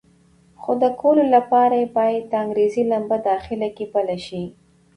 خو د کولو لپاره یې باید د انګېزې لمبه داخله کې بله شي.